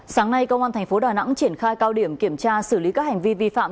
sáng nay công an tp đà nẵng triển khai cao điểm kiểm tra xử lý các hành vi vi phạm